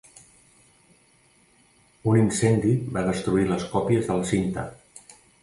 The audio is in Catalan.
Un incendi va destruir les còpies de la cinta.